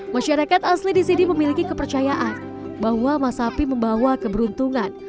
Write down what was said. masyarakat asli di sini memiliki kepercayaan bahwa masapi membawa keberuntungan